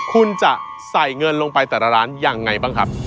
คุณจะใส่เงินลงไปแต่ละร้านยังไงบ้างครับ